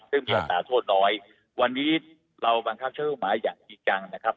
ซึ่งมีอันตราโทษน้อยวันนี้เราบังคับช่วยผู้หมาอย่างอีกกันนะครับ